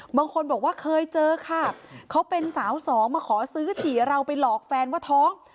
บางคนบอกว่าเคยเจอค่ะเขาเป็นสาวสองมาขอซื้อฉี่เราไปหลอกแฟนว่าท้อง